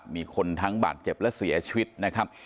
มีคนทั้งบาดเจ็บและเสียชีวิตนะครับ